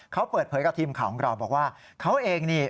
เขาเปิดเผยกับทีมข่าวของเราบอกว่าเขาเองนี่